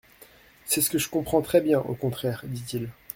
C'est ce que je comprends très bien, au contraire, dit-il.